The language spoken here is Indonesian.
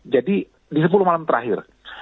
jadi di sepuluh malam terakhir